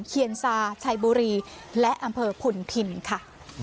เคียนซาชัยบุรีและอำเภอขุนพินค่ะ